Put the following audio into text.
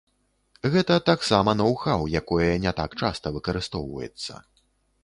Гэта таксама ноў-хаў, якое не так часта выкарыстоўваецца.